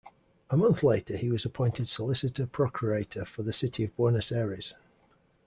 A month later he was appointed solicitor-procurator for the City of Buenos Aires.